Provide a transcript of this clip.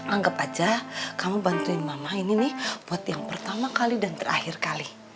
anggap aja kamu bantuin mama ini nih buat yang pertama kali dan terakhir kali